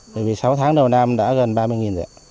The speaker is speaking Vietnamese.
bởi vì sáu tháng đầu năm đã gần ba mươi rồi ạ